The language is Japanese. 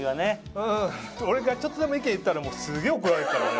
うん俺がちょっとでも意見言ったらすげぇ怒られるからね。